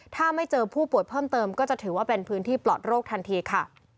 ถ้าไม่เจอผู้ป่วยเพิ่มเติมก็จะถือว่าเป็นพื้นที่ปลอดโรคทันทีค่ะ